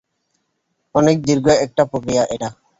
অনেক দীর্ঘ একটা প্রক্রিয়া এটা।